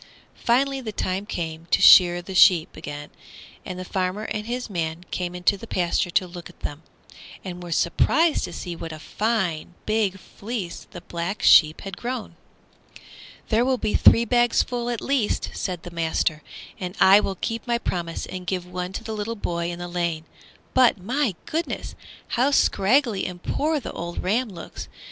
Finally the time came to shear the sheep again, and the farmer and his man came into the pasture to look at them, and were surprised to see what a fine, big fleece the Black Sheep had grown. "There will be three bagsful at the least," said the master, "and I will keep my promise and give one to the little boy in the lane. But, my goodness! how scraggly and poor the old ram looks.